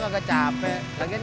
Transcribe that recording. saya ada di sini